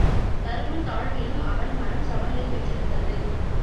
தருமன் தாழ்விலும் அவன் மனம் சமநிலை பெற்றிருந்தது.